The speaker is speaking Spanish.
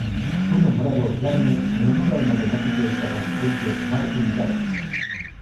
Fue nombrado Gardner en honor al matemático estadounidense Martin Gardner.